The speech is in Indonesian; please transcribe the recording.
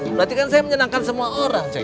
berarti kan saya menyenangkan semua orang